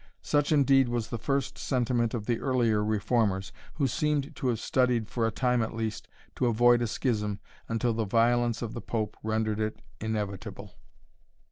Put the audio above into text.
Such indeed was the first sentiment of the earlier reformers, who seemed to have studied, for a time at least, to avoid a schism, until the violence of the Pope rendered it inevitable.